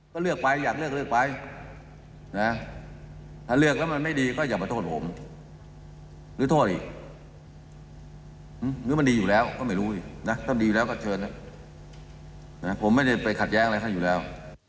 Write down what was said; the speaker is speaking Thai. ก็เลือกไปอยากเลือกก็เลือกไปนะหลายเรื่องแล้วแม่นี่ก็อย่ามาโทษผมผู้ที่ต้องเขียนพูดให้มันลูกล้านบัคโลกผมไม่ได้ไปคัดแย้งอะไรอะอยู่แล้ว